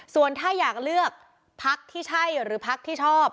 ส่วนถ้าอยากเลือกพักที่ใช่หรือพักที่ชอบ